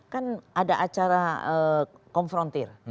kan ada acara konfrontir